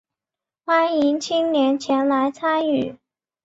欢迎青年前来参与